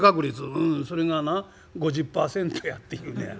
「うんそれがな５０％やって言うのや。